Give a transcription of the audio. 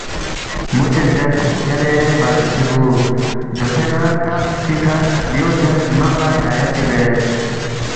مو سی زیرس، یلے بادشی بُو دوسے ن٘ا تخت پیکھہ بیُونگسے ہرمق لہ ہدایت چی بید